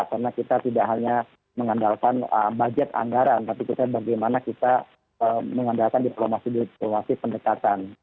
karena kita tidak hanya mengandalkan budget anggaran tapi kita bagaimana kita mengandalkan diplomasi pendekatan